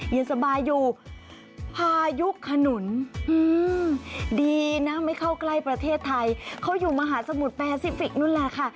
เย็นสบายอยู่พายุขนุนดีนะไม่เข้าใกล้ประเทศไทยเขาอยู่มหาสมุทรแปซิฟิกนู่นแหละค่ะ